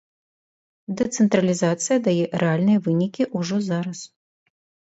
Дэцэнтралізацыя дае рэальныя вынікі ўжо зараз.